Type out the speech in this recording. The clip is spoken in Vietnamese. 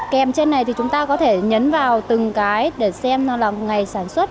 kèm trên này thì chúng ta có thể nhấn vào từng cái để xem nó là ngày sản xuất